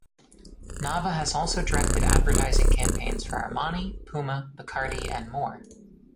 Nava has also directed advertising campaigns for Armani, Puma, Bacardi, and more.